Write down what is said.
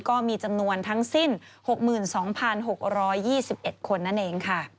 ก็มีจำนวนทั้งสิ้น๖๒๖๒๑คนนั่นเองค่ะ